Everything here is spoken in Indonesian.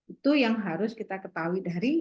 itu yang harus kita ketahui dari